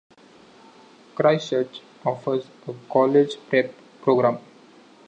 Christchurch offers a college prep program.